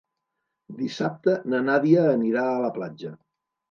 Dissabte na Nàdia anirà a la platja.